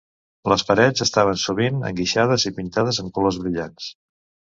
Les parets estaven sovint enguixades i pintades amb colors brillants.